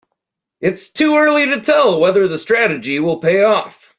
It's too early to tell whether the strategy will pay off.